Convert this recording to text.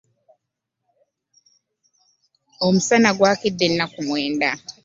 Omusana gwakidde enaku mwenda.